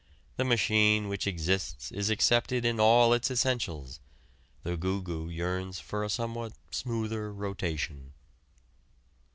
The machine which exists is accepted in all its essentials: the "goo goo" yearns for a somewhat smoother rotation.